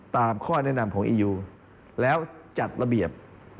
ตามข้อแนะนำของอียูแล้วจัดระเบียบ